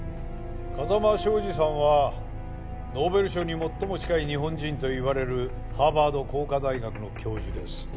風間彰二さんはノーベル賞に最も近い日本人と言われるハーバード工科大学の教授です。